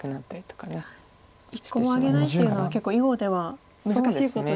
１個もあげないっていうのは結構囲碁では難しいことですよね。